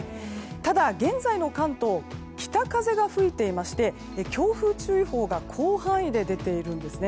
ただ、現在の関東北風が吹いていまして強風注意報が広範囲で出ているんですね。